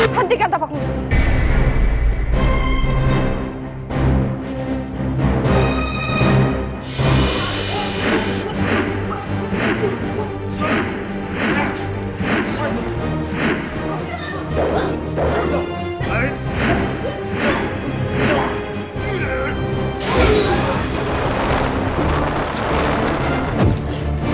hentikan tapak musuh